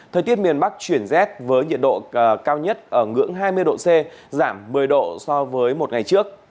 thời tiết miền bắc chuyển rét với nhiệt độ cao nhất ở ngưỡng hai mươi độ c giảm một mươi độ so với một ngày trước